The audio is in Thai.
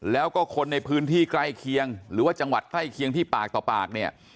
แล้วก็คนในพื้นที่ใกล้เคียงหรือว่าจังหวัดใกล้เคียงที่ปากต่อปากเนี่ย